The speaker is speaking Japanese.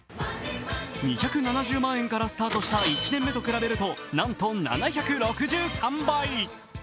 ２７０万円からスタートした１年目と比べるとなんと７６３倍。